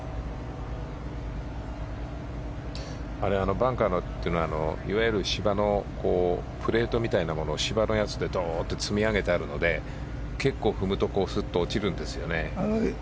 バンカーのはいわゆる芝のプレートみたいなものを芝のやつでどっと積み上げているので結構、踏むと落ちるんですよね。